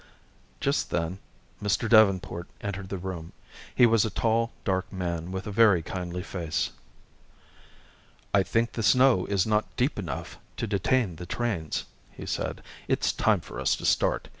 Just then Mr. Davenport entered the room. He was a tall, dark man with a very kindly face. "I think the snow is not deep enough to detain the trains," he said. "It's time for us to start.